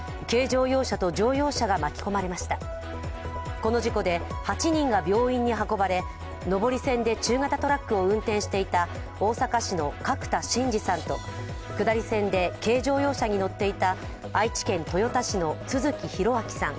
この事故で８人が病院に運ばれ、上り線で中型トラックを運転していた大阪市の角田進治さんと下り線で軽乗用車に乗っていた、愛知県豊田市の都築弘明さん